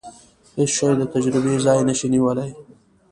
هیڅ شی د تجربې ځای نشي نیولای.